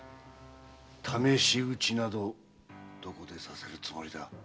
試し撃ちなどどこでさせるつもりだ？